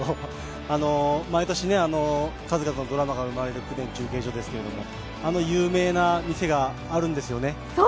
毎年、数々のドラマが生まれる公田中継所ですけどあの有名な店があるんですよね。